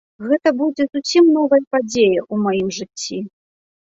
Гэта будзе зусім новая падзея ў маім жыцці.